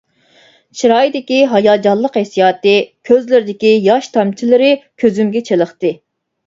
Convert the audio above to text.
چىرايدىكى ھاياجانلىق ھېسسىياتى، كۆزلىرىدىكى ياش تامچىلىرى كۆزۈمگە چېلىقتى.